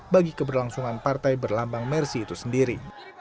bagi keberlangsungan partai berlambang mersi itu sendiri